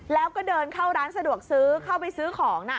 แล้วก็เดินเข้าร้านสะดวกซื้อเข้าไปซื้อของ